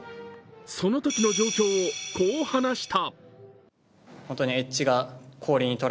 そのときの状況をこう話した。